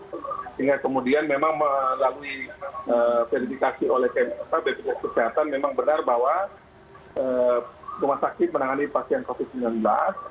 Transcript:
sehingga kemudian memang melalui verifikasi oleh bpjs kesehatan memang benar bahwa rumah sakit menangani pasien covid sembilan belas